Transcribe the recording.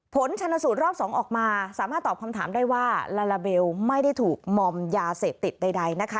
ผลชนสูตรรอบ๒ออกมาสามารถตอบคำถามได้ว่าลาลาเบลไม่ได้ถูกมอมยาเสพติดใดนะคะ